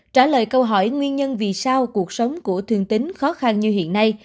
trả lời câu hỏi nguyên nhân vì sao cuộc sống của thương tín khó khăn như hiện nay